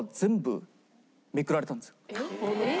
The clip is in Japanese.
えっ？